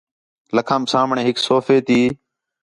لَکھام سامݨے ہِک صوفے تی